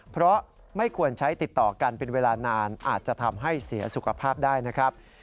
เพราะไม่ควรใช้ติดต่อกันเป็นเวลานานอาจจะทำให้เสียสุขภาพได้นะครับ